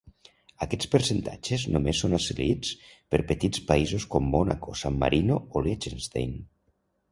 Aquests percentatges només són assolits per petits països com Mònaco, San Marino o Liechtenstein.